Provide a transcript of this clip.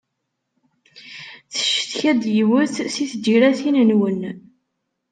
Teccetka-d yiwet si tǧiratin-nwen.